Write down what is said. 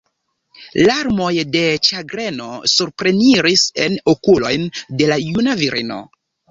Larmoj de ĉagreno supreniris en okulojn de la juna virino.